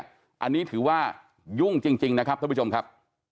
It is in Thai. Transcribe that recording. อันนี้ถือว่ายุ่งจริงนะครับท่านผู้ชมครับ